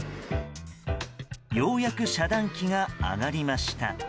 ようやく遮断機が上がりました。